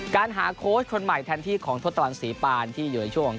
การหาโค้ชคนใหม่แทนที่ของทศตวรรณศรีปานที่อยู่ในช่วง